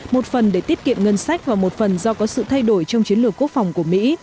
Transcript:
một phần để tiết kiệm ngân sách và một phần do có sự thay đổi trong chiến lược quốc phòng của mỹ